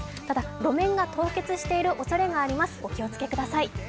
ただ、路面が凍結しているおそれがあります、お気をつけください。